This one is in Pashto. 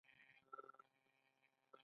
زړه په یوه ورځ شاوخوا سل زره ځلې ټکي.